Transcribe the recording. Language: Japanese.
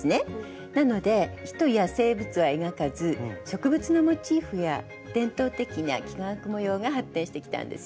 なので人や生物は描かず植物のモチーフや伝統的な幾何学模様が発展してきたんです。